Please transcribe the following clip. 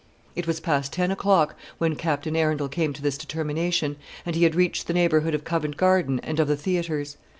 It was past ten o'clock when Captain Arundel came to this determination, and he had reached the neighbourhood of Covent Garden and of the theatres.